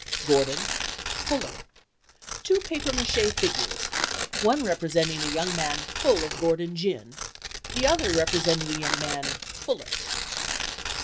"Gordon Fuller"—two paper mache figures—one representing a young man full of Gordon gin, the other representing a young man fuller.